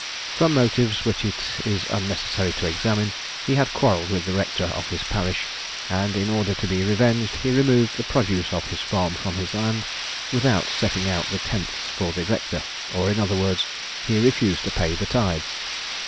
From motives which it is unnecessary to examine, he had quarrelled with the rector of his parish, and, in order to be revenged, he removed the produce of his farm from his land, without setting out the tenths for the rector; or, in other words, he refused to pay the tithes.